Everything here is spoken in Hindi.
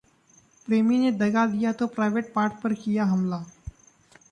प्रेमी ने दगा दिया तो प्राइवेट पार्ट पर किया हमला